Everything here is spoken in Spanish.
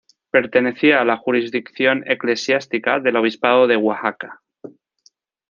Pertenecía a la jurisdicción eclesiástica del obispado de Oaxaca.